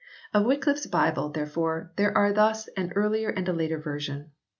Of Wycliffe s Bible, therefore, there are thus an earlier and a later version.